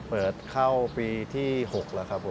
เปิดเข้าปีที่๖แล้วครับผม